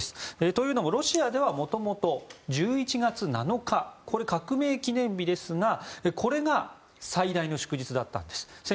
というのもロシアではもともと１１月７日これは革命記念日ですがこれが最大の祝日だったんです。